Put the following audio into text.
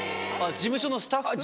事務所のスタッフさんと。